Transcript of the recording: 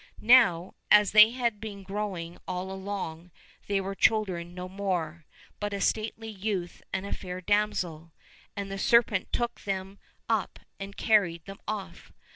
Now, as they had been growing all along, they were children no more, but a stately youth and a fair damsel ; and the serpent took them up and carried them off.